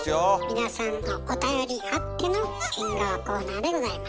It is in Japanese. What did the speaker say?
皆さんのおたよりあっての縁側コーナーでございます。